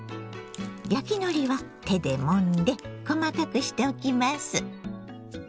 焼きのりは手でもんで細かくしておきます。